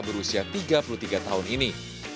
berusia tiga puluh tiga tahun ini